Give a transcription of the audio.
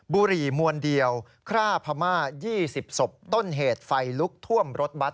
บุรีมวลเดียวคร่าพม่า๒๐ศพต้นเหตุไฟลุกท่วมรถบัตร